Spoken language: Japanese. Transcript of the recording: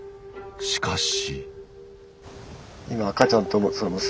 しかし。